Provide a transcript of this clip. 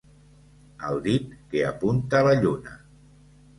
El dit que apunta la lluna